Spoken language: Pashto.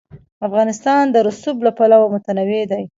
افغانستان د رسوب له پلوه متنوع دی.